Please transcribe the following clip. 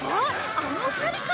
あの２人か！